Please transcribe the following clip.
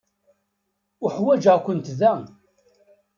Uḥwaǧeɣ-kent da.